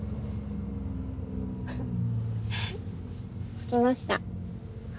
着きました。